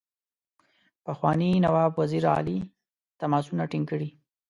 پخواني نواب وزیر علي تماسونه ټینګ کړي.